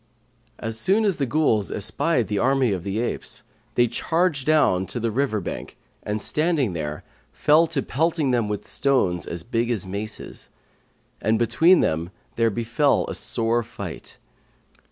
As soon as the Ghuls espied the army of the apes, they charged down to the river bank and standing there, fell to pelting them with stones as big as maces; and between them there befell a sore fight.